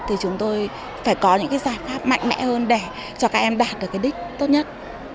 thì chúng tôi phải có những cái giải pháp mạnh mẽ hơn để cho các em đạt được cái đích tốt nhất